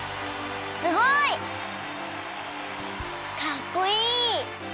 すごい！かっこいい！